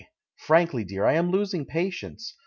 Frankly, dear, I am losing pa tience.